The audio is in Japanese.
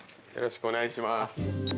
よろしくお願いします。